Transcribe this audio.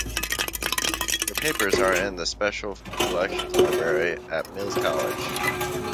Her papers are in the special collections library at Mills College.